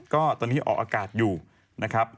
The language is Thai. ก็ตอนนี้ออกอากาศอยู่นะครับ